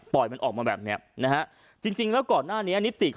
มันออกมาแบบเนี้ยนะฮะจริงจริงแล้วก่อนหน้านี้นิติ